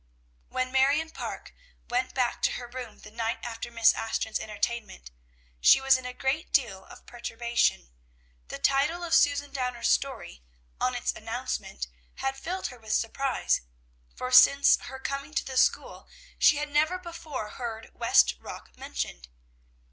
When Marion Parke went back to her room the night after Miss Ashton's entertainment, she was in a great deal of perturbation. The title of Susan Downer's story, on its announcement, had filled her with surprise, for since her coming to the school she had never before heard West Rock mentioned.